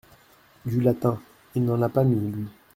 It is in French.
Du latin !… il n’en a pas mis, lui !